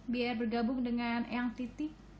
biar bergabung dengan eyang titi